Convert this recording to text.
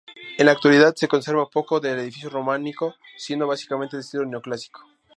En la actualidad, se conserva poco del edificio románico, siendo básicamente de estilo neoclásico.